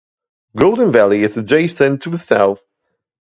Golden Valley is adjacent to the south.